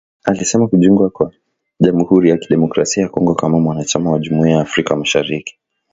Alisema kujiunga kwa Jamuhuri ya Kidemokrasia ya Kongo kama mwanachama wa Jumuiya ya Afrika Mashariki